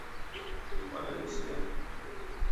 Вана истя.